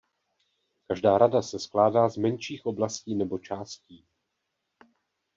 Každá rada se skládá z menších oblastí nebo částí.